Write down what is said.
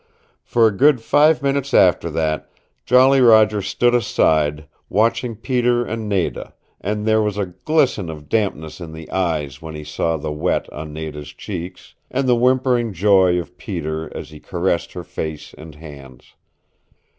For a good five minutes after that Jolly Roger stood aside watching Peter and Nada, and there was a glisten of dampness in his eyes when he saw the wet on Nada's cheeks, and the whimpering joy of Peter as he caressed her face and hands.